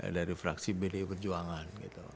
dari fraksi pdi perjuangan